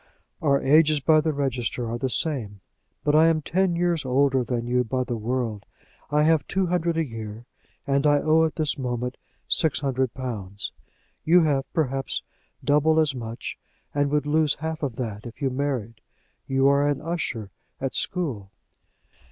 Our ages by the register are the same, but I am ten years older than you by the world. I have two hundred a year, and I owe at this moment six hundred pounds. You have, perhaps, double as much, and would lose half of that if you married. You are an usher at a school."